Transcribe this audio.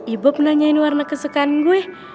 ibu pernah nanyain warna kesukaan gue